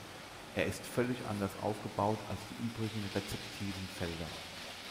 Er ist völlig anders aufgebaut als die übrigen rezeptiven Felder.